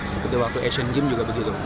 seperti waktu asian games juga begitu